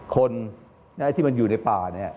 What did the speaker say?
คนที่มันอยู่ในป่า